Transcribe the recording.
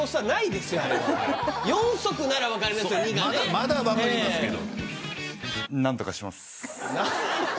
まだ分かりますけど。